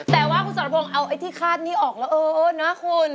แต่ว่าคุณสรพงศ์เอาไอ้ที่คาดนี้ออกแล้วเออนะคุณ